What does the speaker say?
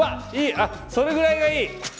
あっそれぐらいがいい！